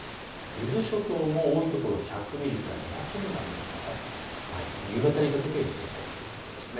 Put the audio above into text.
伊豆諸島も多いところ、１００ミリから２００ミリの雨があさっての夕方にかけて予想されているんです。